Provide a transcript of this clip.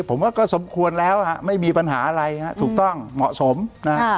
ผมว่าก็สมควรแล้วฮะไม่มีปัญหาอะไรฮะถูกต้องเหมาะสมนะฮะ